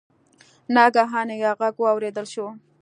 ناګهانه یو غږ واوریدل شو.